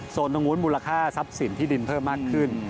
ส่วนตรงวุ้นมูลค่าทรัพย์สินที่ดินเพิ่มมากขึ้น